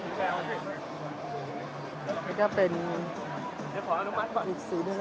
ไม่ต้องขอลองดูหน้าเนี่ยอ่านพี่ใส่ตาม